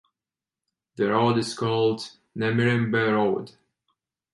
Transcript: The road is called "Namirembe Road".